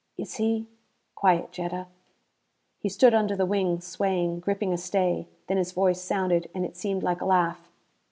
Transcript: "Is he ?" "Quiet, Jetta." He stood under the wing, swaying, gripping a stay. Then his voice sounded, and it seemed like a laugh.